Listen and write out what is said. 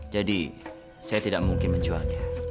jadi saya tidak mungkin mencintai seni